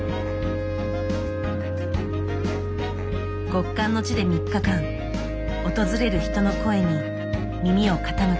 極寒の地で３日間訪れる人の声に耳を傾けた。